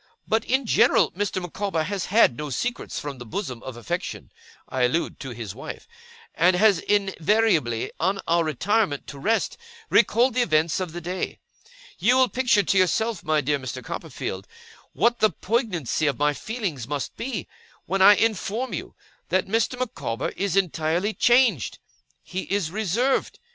But, in general, Mr. Micawber has had no secrets from the bosom of affection I allude to his wife and has invariably, on our retirement to rest, recalled the events of the day. 'You will picture to yourself, my dear Mr. Copperfield, what the poignancy of my feelings must be, when I inform you that Mr. Micawber is entirely changed. He is reserved.